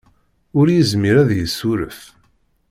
Ur yezmir ad d-yessuref.